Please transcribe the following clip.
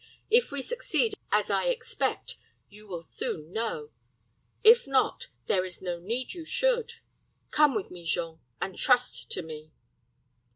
If we succeed as I expect, you will soon know; if not, there is no need you should. Come with me, Jean, and trust to me."